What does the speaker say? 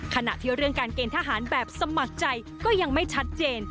ขณะที่เรื่องการเกณฑ์ทหารแบบสมัครใจก็ยังไม่ชัดเจน